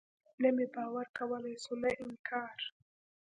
نه مې باور کولاى سو نه انکار.